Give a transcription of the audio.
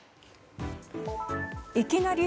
いきなり！